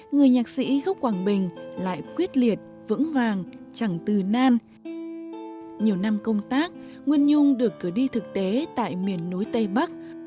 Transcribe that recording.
nguyên nhung được cử đi thực tế tại miền núi tây bắc